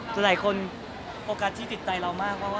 จะให้คนโปรกัสที่ติดใจเรามากเพราะว่า